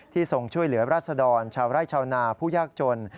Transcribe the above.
ทรงช่วยเหลือราศดรชาวไร่ชาวนาผู้ยากจน